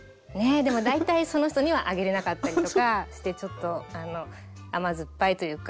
でも大体その人にはあげれなかったりとかしてちょっと甘酸っぱいというか苦い思い出はあります。